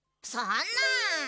そんな。